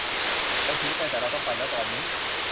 ฉันเสียใจแต่เราต้องไปแล้วตอนนี้